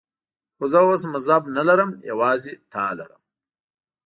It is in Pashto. خو زه اوس مذهب نه لرم، یوازې تا لرم.